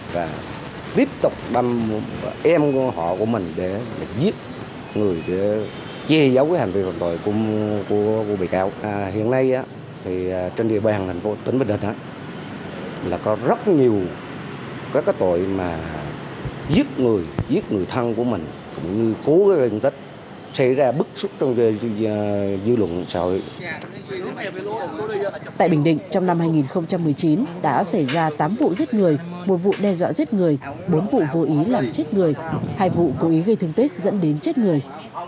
tại bình định trong năm hai nghìn một mươi chín đã xảy ra tám vụ giết người một vụ đe dọa giết người bốn vụ vô ý làm chết người hai vụ cố ý gây thương tích dẫn đến chết người